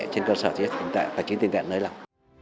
trên cơ sở tiền tệ tài chính tiền tệ nơi lập